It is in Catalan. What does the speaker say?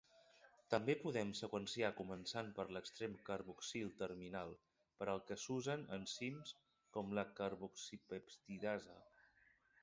També podem seqüenciar començant per l'extrem carboxil-terminal, per al que s'usen enzims com la carboxipeptidasa.